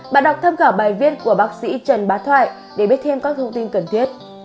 bạn đọc tham khảo bài viết của bác sĩ trần bá thoại để biết thêm các thông tin cần thiết